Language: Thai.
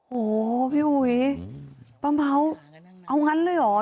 โหเขยอุยป้าเมาส์เอางั้นเลยหรอ